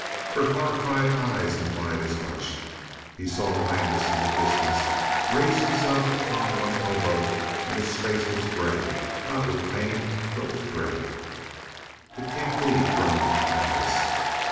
Her horrified eyes implied as much. He saw Landis in the distance raise himself upon one elbow and his face was gray, not with pain but with dread. "It can't be!" groaned Landis.